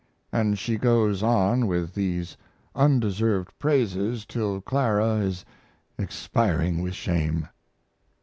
(And she goes on with these undeserved praises till Clara is expiring with shame.)